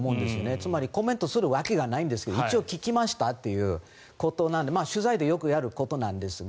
つまり、コメントするわけがないんですけど一応聞きましたということなので取材でよくやることですが。